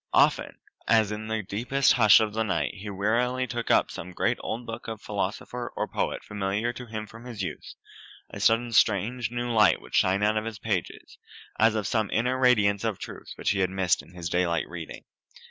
Often, as in the deepest hush of the night he wearily took up some great old book of philosopher or poet familiar to him from his youth, a sudden strange new light would shine out of its pages, as of some inner radiance of truth which he had missed in his daylight reading.